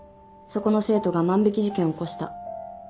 「そこの生徒が万引き事件を起こした」